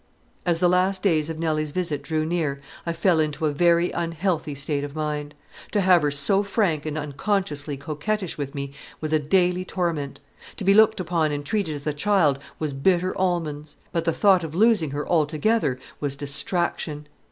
As the last days of Nelly's visit drew near, I fell into a very unhealthy state of mind. To have her so frank and unconsciously coquettish with me was a daily torment; to be looked upon and treated as a child was bitter almonds; but the thought of losing her altogether was distraction.